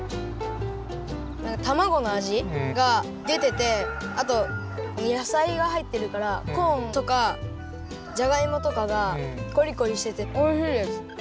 たまごのあじがでててあと野菜がはいってるからコーンとかジャガイモとかがコリコリしてておいしいです。